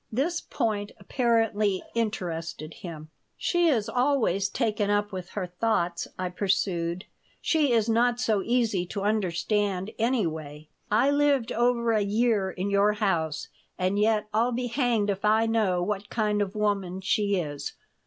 This point apparently interested him "She is always taken up with her thoughts," I pursued. "She is not so easy to understand, anyway. I lived over a year in your house, and yet I'll be hanged if I know what kind of woman she is.